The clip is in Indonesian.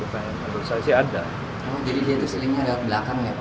oh jadi dia tuh selingnya lewat belakang ya pak